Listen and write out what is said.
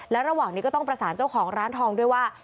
และระหว่างนี้ก็ต้องประสานเจ้าของร้านทองด้วยว่า